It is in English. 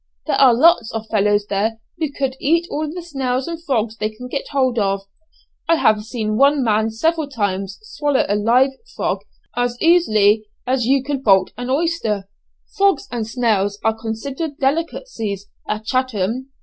There are lots of fellows there who eat all the snails and frogs they can get hold of. I have seen one man several times swallow a live frog as easily as you could bolt an oyster. Frogs and snails are considered delicacies at Chatham."